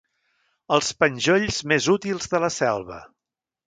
Els penjolls més útils de la selva.